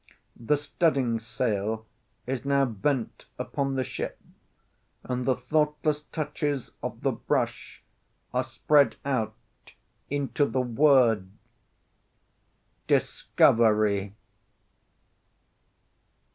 The studding sail is now bent upon the ship, and the thoughtless touches of the brush are spread out into the word DISCOVERY.